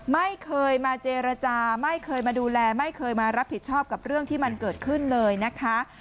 ไม่เคยมาเจรจาไม่เคยมาดูแลไม่เคยมารับผิดชอบกับเรื่องที่มันเกิดขึ้นเลยนะคะ